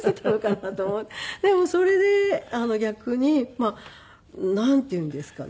でもそれで逆になんていうんですかね。